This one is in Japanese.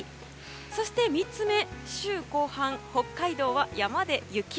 そいｓて３つ目週後半、北海道は山で雪？